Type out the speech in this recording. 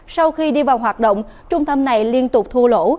sau khi đi vào hoạt động trung tâm này liên tục thua lỗ